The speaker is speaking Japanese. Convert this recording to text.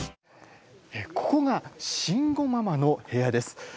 ここが「慎吾ママの部屋」です。